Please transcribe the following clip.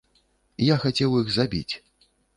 Я хацеў іх забіць.